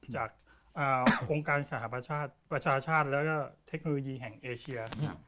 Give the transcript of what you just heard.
จากองค์การสหประชาชาติประชาชาติแล้วก็เทคโนโลยีแห่งเอเชีย